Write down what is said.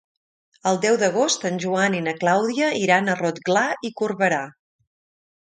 El deu d'agost en Joan i na Clàudia iran a Rotglà i Corberà.